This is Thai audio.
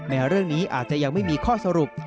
เรื่องนี้อาจจะยังไม่มีข้อสรุป